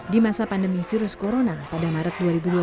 di masa pandemi virus corona pada maret dua ribu dua puluh